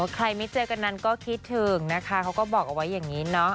ไม่เจอกันนั้นก็คิดถึงนะคะเขาก็บอกเอาไว้อย่างนี้เนาะ